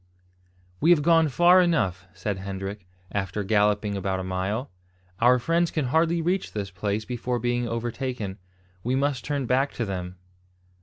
"We have gone far enough," said Hendrik, after galloping about a mile. "Our friends can hardly reach this place before being overtaken. We must turn back to them."